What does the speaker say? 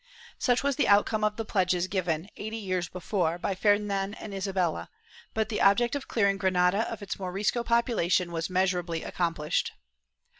^ Such was the outcome of the pledges given, eighty years before, by Ferdinand and Isabella, but the object of clearing Granada of its Morisco population was measur ably accomplished.